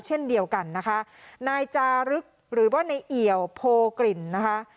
เช่นเดียวกันนะคะนายจารึกหรือว่าในเอี่ยวโพกลิ่นนะคะ